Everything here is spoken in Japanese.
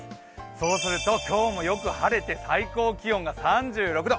そうすると今日もよく晴れて最高気温が３６度。